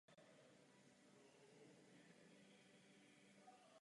Existují tři různé verze tohoto filmu.